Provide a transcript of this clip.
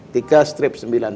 tiga strip sembilan